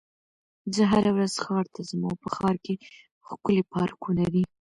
زه هره ورځ ښار ته ځم او په ښار کې ښکلي پارکونه دي.